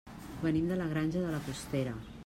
Venim de la Granja de la Costera.